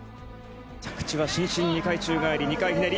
伸身の２回宙返り２回ひねり。